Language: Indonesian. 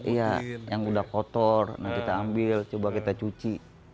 iya yang udah kotor kita ambil coba kita cuci